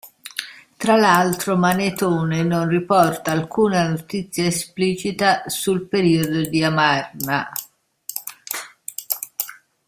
Tra l'altro Manetone non riporta alcuna notizia esplicita sul periodo di Amarna.